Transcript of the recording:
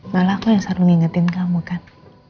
malah aku yang selalu mengingatkan kamu kan